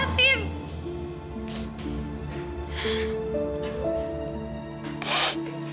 tunggu tunggu tunggu